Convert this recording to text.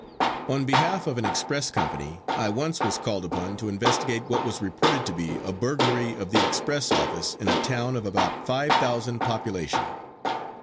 On behalf of an express company, I once was called upon to investigate what was reported to be a burglary of the express office in a town of about five thousand population.